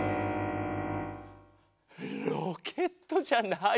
ロケットじゃないよ。